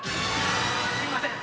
すいません！